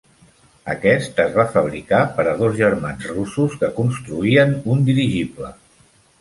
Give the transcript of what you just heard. Aquest es va fabricar per a dos germans russos que construïen un dirigible.